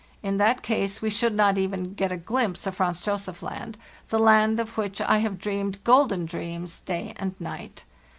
In that case we should not even get a glimpse of Franz Josef Land, the land of which I have dreamed golden dreams day and night.